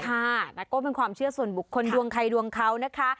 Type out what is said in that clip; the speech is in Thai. แต่ก็เป็นความเชื่อส่วนบุคคลดวงใครดวงเขานะคะ